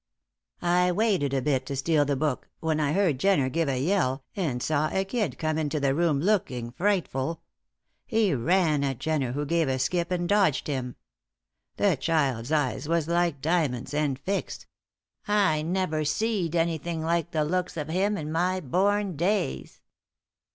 "I waited a bit to steal the book, when I heard Jenner give a yell, and saw a kid come into the room looking frightful; he ran at Jenner who gave a skip and dodged him. The child's eyes was like diamonds, and fixed; I never seed anything like the looks of him in my born days.